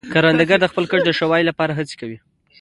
کروندګر د خپل کښت د ښه والي لپاره هڅې کوي